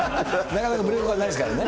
なかなか無礼講はないですからね。